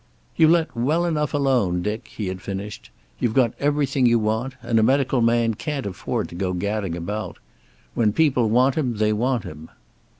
"You let well enough alone, Dick," he had finished. "You've got everything you want. And a medical man can't afford to go gadding about. When people want him they want him."